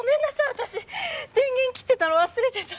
私電源切ってたの忘れてた。